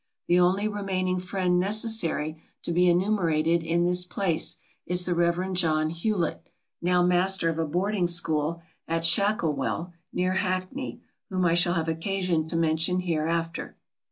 The only remaining friend necessary to be enumerated in this place, is the rev. John Hewlet, now master of a boarding school at Shacklewel near Hackney, whom I shall have occasion to mention hereafter.